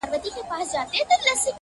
شپه تر سهاره مي لېمه په الاهو زنګوم!.